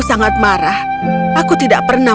sangat marah aku tidak pernah